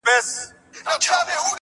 خو بس دا ستا تصوير به كور وران كړو.